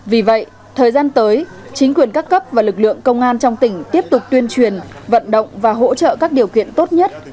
vì vậy thời gian tới chính quyền các cấp và lực lượng công an trong tỉnh tiếp tục tuyên truyền vận động và hỗ trợ các điều kiện tốt nhất